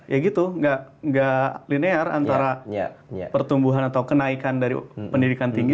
ya gitu nggak linear antara pertumbuhan atau kenaikan dari pendidikan tinggi